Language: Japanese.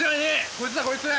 こいつだこいつ！